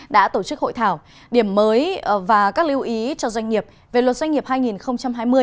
đã tổ chức hội thảo điểm mới và các lưu ý cho doanh nghiệp về luật doanh nghiệp hai nghìn hai mươi